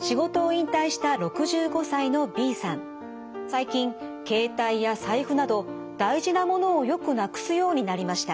仕事を引退した最近携帯や財布など大事なものをよくなくすようになりました。